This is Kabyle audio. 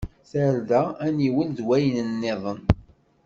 Tarda, aniwel d wayen nniḍen.